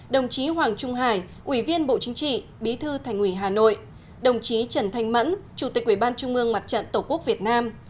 đồng chí hoàng trung hải ủy viên bộ chính trị bí thư thành ủy hà nội đồng chí trần thanh mẫn chủ tịch ủy ban trung ương mặt trận tổ quốc việt nam